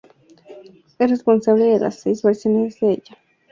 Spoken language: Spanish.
Es responsable de las seis versiones de ella y de su funcionamiento.